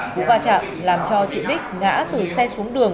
cú va chạm làm cho chị bích ngã từ xe xuống đường